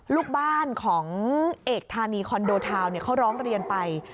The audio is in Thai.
ลูกบ้านของเอกธานีคอนโดทาวน์เขาร้องเรียนไป